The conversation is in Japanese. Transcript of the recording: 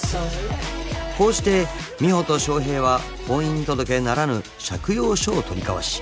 ［こうして美帆と翔平は婚姻届ならぬ借用書を取り交わし